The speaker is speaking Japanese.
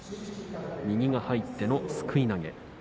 右が入ってのすくい投げでした。